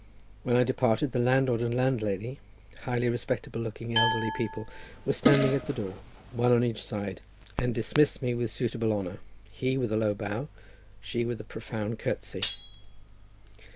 When I departed the landlord and landlady, highly respectable looking elderly people, were standing at the door, one on each side, and dismissed me with suitable honour, he with a low bow, she with a profound curtsey.